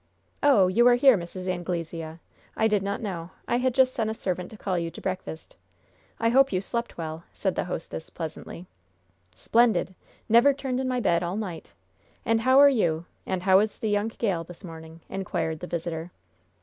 "Oh, you are here, Mrs. Anglesea? I did not know. I had just sent a servant to call you to breakfast. I hope you slept well?" said the hostess, pleasantly. "Splendid! Never turned in my bed all night. And how are you? And how is the young gal this morning?" inquired the visitor.